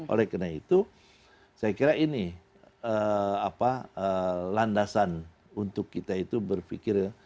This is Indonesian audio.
oleh karena itu saya kira ini landasan untuk kita itu berpikir